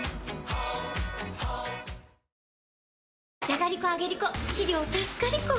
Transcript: じゃがりこ、あげりこ！